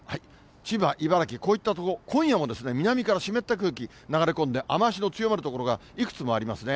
千葉、茨城、こういった所、今夜も南から湿った空気流れ込んで雨足の強まる所がいくつもありますね。